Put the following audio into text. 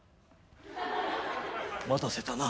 待たせたな。